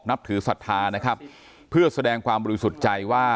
นับถือศรัทธานะครับเพื่อแสดงความบริสุทธิ์ใจว่า